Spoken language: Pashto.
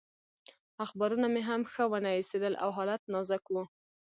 اخبارونه مې هم ښه ونه ایسېدل او حالت نازک و.